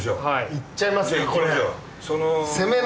行っちゃいますか。